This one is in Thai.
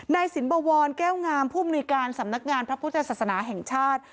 นายสินบวรแก้วงามผู้มนุยการสำนักงานพระพุทธศาสนาแห่งชาติ